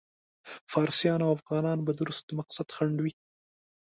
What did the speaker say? فارسیان او افغانان به د روس د مقصد خنډ وي.